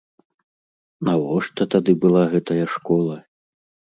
Навошта тады была гэтая школа?